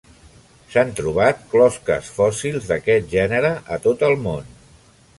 S'han trobat closques fòssils d'aquest gènere a tot el món.